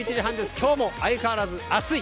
今日も相変わらず暑い。